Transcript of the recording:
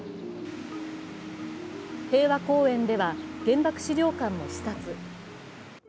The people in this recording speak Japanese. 平和公園では原爆資料館も視察。